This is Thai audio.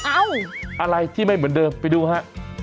อะไรที่ไม่เหมือนเดิมไปดูฮะ